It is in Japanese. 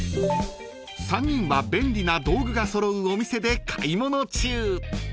［３人は便利な道具が揃うお店で買い物中］